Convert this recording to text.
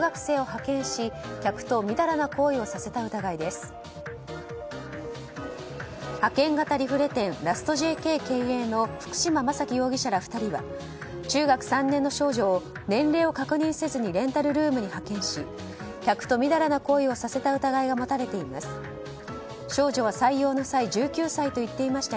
派遣型リフレ店ラストＪＫ経営の福島真樹容疑者ら２人は中学３年の少女を年齢を確認せずにレンタルルームに派遣し客とみだらな行為をさせた疑いが持たれています。